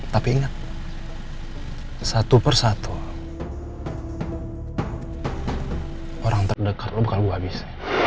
tapi ingat satu persatu orang terdekat lo bakal gue habis